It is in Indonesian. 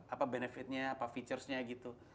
apa benefitnya apa featuresnya gitu